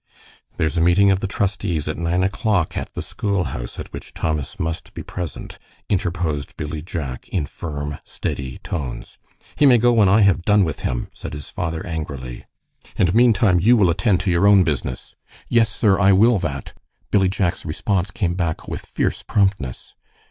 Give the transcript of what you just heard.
"There's a meeting of the trustees at nine o'clock at the school house at which Thomas must be present," interposed Billy Jack, in firm, steady tones. "He may go when I have done with him," said his father, angrily, "and meantime you will attend to your own business." "Yes, sir, I will that!" Billy Jack's response came back with fierce promptness.